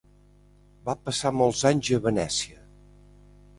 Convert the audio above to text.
Va passar molts anys a Venècia.